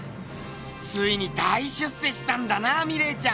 ついに大出世したんだなミレーちゃん。